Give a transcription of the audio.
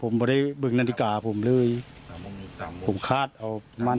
ผมไม่ได้บึงนาฬิกาผมเลยสามโมงสามโมงผมคาดเอา